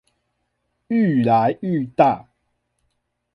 愈來愈大